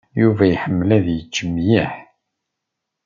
Yuba iḥemmel ad yečč mliḥ.